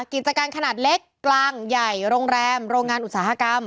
กิจการขนาดเล็กกลางใหญ่โรงแรมโรงงานอุตสาหกรรม